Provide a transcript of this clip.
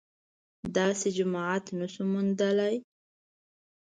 داسې جماعت نه شو موندلای